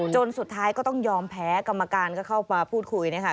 สุดท้ายก็ต้องยอมแพ้กรรมการก็เข้ามาพูดคุยนะคะ